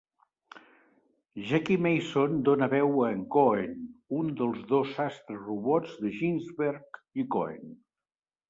Jackie Mason dóna veu a en Cohen, un dels dos sastres robots de Ginsberg i Cohen.